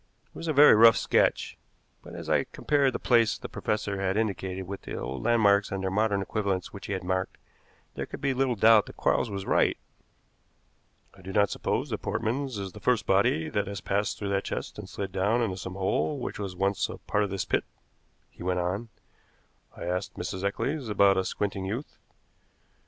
It was a very rough sketch, but, as I compared the place the professor had indicated with the old landmarks and their modern equivalents which he had marked, there could be little doubt that Quarles was right. "I do not suppose that Portman's is the first body that has passed through that chest and slid down into some hole which was once a part of this pit," he went on. "I asked Mrs. Eccles about a squinting youth.